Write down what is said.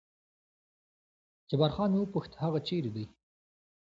جبار خان مې وپوښت هغه چېرې دی؟